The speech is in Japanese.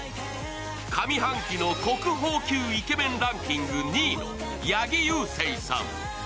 上半期の国宝級イケメンランキング２位の八木勇征さん。